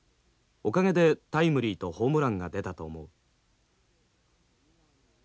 おかげでタイムリーとホームランが出たと思う」。